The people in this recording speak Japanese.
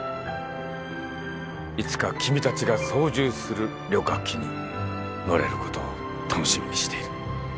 いつか君たちが操縦する旅客機に乗れることを楽しみにしている。